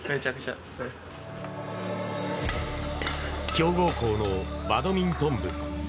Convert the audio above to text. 強豪校のバドミントン部。